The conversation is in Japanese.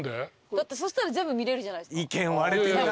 だってそしたら全部見れるじゃないですか。